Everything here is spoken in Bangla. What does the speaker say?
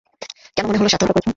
কেন মনে হলো সে আত্মহত্যা করেছে?